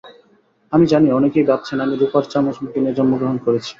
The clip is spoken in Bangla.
আমি জানি অনেকেই ভাবছেন আমি রুপার চামচ মুখে নিয়ে জন্মগ্রহণ করেছি।